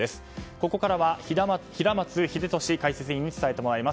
ここからは平松秀敏解説委員に伝えてもらいます。